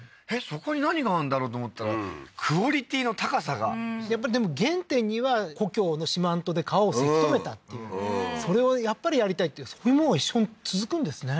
そこに何があるんだろうと思ったらクオリティーの高さがやっぱりでも原点には故郷の四万十で川をせき止めたっていうそれをやっぱりやりたいっていうそういうもの一生続くんですね